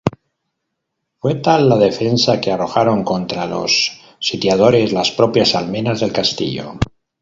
Fue tal la defensa, que arrojaron contra los sitiadores las propias almenas del castillo.